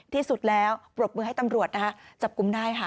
ที่สุดแล้วปรบมือให้ตำรวจนะคะจับกลุ่มได้ค่ะ